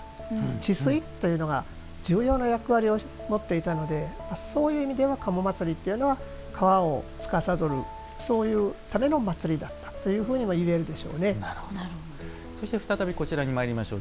治水というのが重要な役割を持っていたのでそういう意味では賀茂祭というのは川をつかさどる、こういうためのお祭りだったというふうにもそして、再びこちらにまいりましょう。